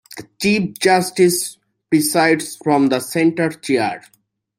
The Chief Justice presides from the centre chair.